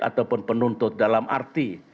ataupun penuntut dalam arti